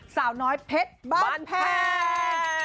สาวน้อยเพชรบ้านแพง